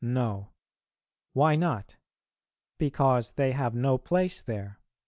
No. Why not? Because they have no place there." 9.